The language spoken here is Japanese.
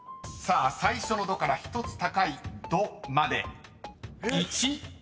［さあ最初のドから１つ高いドまで］